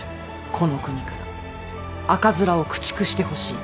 この国から赤面を駆逐してほしい。